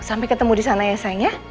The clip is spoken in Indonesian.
sampai ketemu di sana ya sayang ya